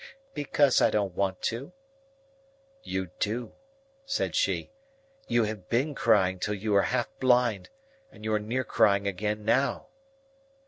"Because I don't want to." "You do," said she. "You have been crying till you are half blind, and you are near crying again now."